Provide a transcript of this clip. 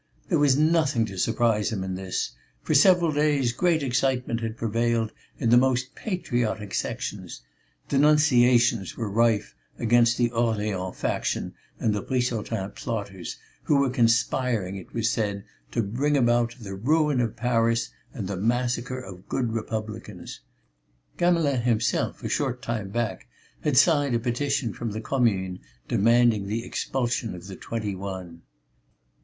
There was nothing to surprise them in this; for several days great excitement had prevailed in the most patriotic Sections; denunciations were rife against the Orleans faction and the Brissotin plotters, who were conspiring, it was said, to bring about the ruin of Paris and the massacre of good Republicans. Gamelin himself a short time back had signed a petition from the Commune demanding the expulsion of the Twenty one.